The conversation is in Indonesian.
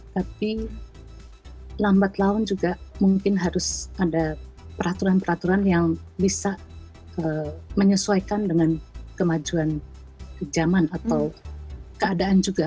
tapi lambat laun juga mungkin harus ada peraturan peraturan yang bisa menyesuaikan dengan kemajuan zaman atau keadaan juga